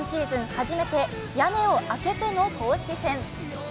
初めて屋根を開けての公式戦。